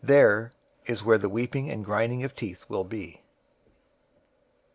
There is where the weeping and grinding of teeth will be.